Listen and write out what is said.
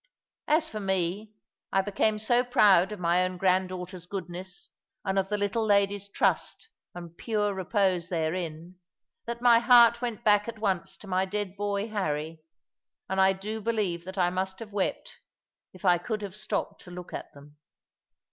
As for me, I became so proud of my own granddaughter's goodness, and of the little lady's trust and pure repose therein, that my heart went back at once to my dead boy Harry, and I do believe that I must have wept, if I could have stopped to look at them.